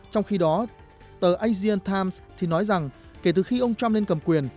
trong khi đó tờ asian times thì nói rằng kể từ khi ông trump lên cầm quyền